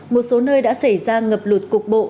một số nơi đã xảy ra ngập lụt cục bộ